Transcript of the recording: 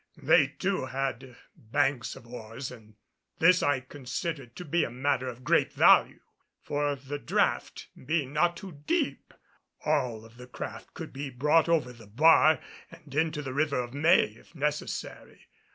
They, too, had banks of oars and this I considered to be a matter of great value; for, the draught being not too deep, all of the craft could be brought over the bar and into the River of May if necessary.